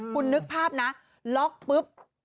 คุณนึกภาพนะล็อกปุ๊บ